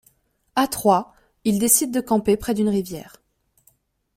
À trois, ils décident de camper près d'une rivière.